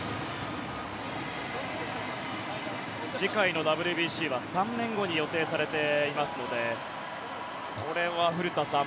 次回のＷＢＣは３年後に予定されていますのでこれは古田さん